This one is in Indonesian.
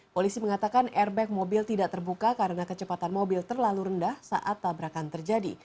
polisi mengatakan airbag mobil tidak terbuka karena kecepatan mobil terlalu rendah saat tabrakan terjadi